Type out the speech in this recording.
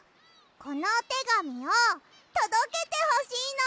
このおてがみをとどけてほしいの！